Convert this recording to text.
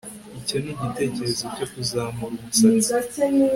Icyo ni igitekerezo cyo kuzamura umusatsi